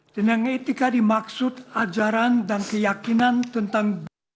dan yang etika dimaksud ajaran dan keyakinan tentang